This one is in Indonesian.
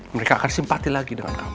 mereka akan simpati lagi dengan kamu